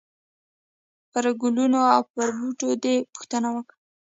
پرګلونو او پر بوټو دي، پوښتنه وکړئ !!!